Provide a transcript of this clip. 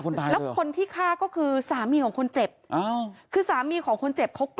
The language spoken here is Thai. แล้วคนที่ฆ่าก็คือสามีของคนเจ็บ